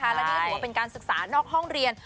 และนี่ก็ถือว่าเป็นการศึกษานอกห้องเรียน